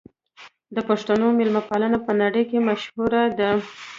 د پښتنو مېلمه پالنه په نړۍ کې مشهوره ده.